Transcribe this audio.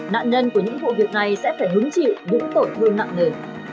nạn nhân của những vụ việc này sẽ phải hứng chịu những tổn thương nặng nề